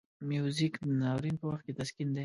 موزیک د ناورین په وخت کې تسکین دی.